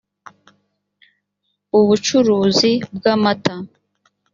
ubucuruzi bw’amata